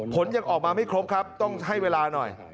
ผลยังออกมาไม่ครบครับต้องให้เวลาหน่อย